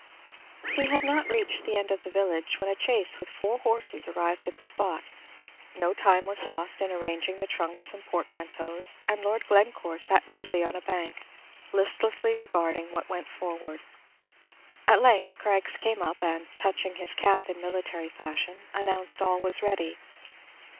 He had not reached the end of the village, when a chaise with four horses arrived at the spot. No time was lost in arranging the trunks and portmanteaus, and Lord Glencore sat moodily on a bank, listlessly regarding what went forward. At length Craggs came up, and, touching his cap in military fashion, announced all was ready.